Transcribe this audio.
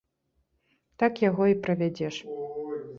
Так яго і правядзеш.